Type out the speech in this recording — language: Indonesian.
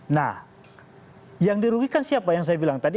nah yang dirugikan siapa yang saya bilang tadi